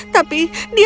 tapi dia ada di dalam